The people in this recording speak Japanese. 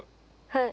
はい。